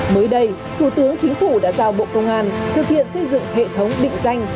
mới đây thủ tướng chính phủ đã giao bộ công an thực hiện xây dựng hệ thống định danh